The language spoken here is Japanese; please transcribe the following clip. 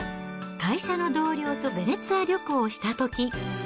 会社の同僚とヴェネツィア旅行をしたとき。